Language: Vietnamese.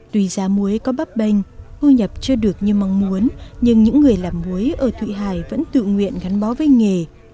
tùy ra muối có bắp bênh hư nhập chưa được như mong muốn nhưng những người làm muối ở thụy hải vẫn tự nguyện gắn bó với nghề